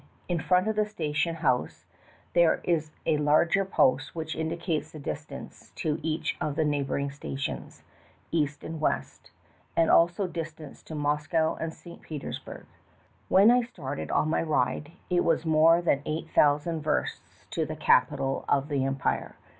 In front of the station house there is a larger post which indicates the distance to each of the neighboring stations, east and west, and also the distance to Moscow and St. Peters burg. When I started on my ride it was more than eight thousand versts to the capital of the empire.